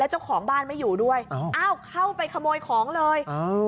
เจ้าของบ้านไม่อยู่ด้วยอ้าวเข้าไปขโมยของเลย